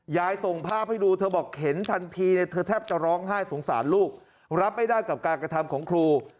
ส่งภาพให้ดูเธอบอกเห็นทันทีเธอแทบจะร้องไห้สงสารลูกรับไม่ได้กับการกระทำของครู